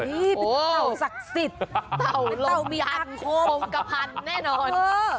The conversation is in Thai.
เตาสักสิทธิ์เตาอังโฆเป็นเตาแบรกภัณฑ์แน่นอน